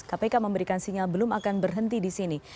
kpk memberikan sinyal belum akan berhenti di sini